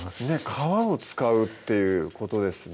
皮を使うっていうことですね